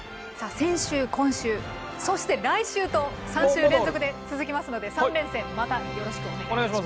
先週今週そして来週と３週連続で続きますので３連戦またよろしくお願いします。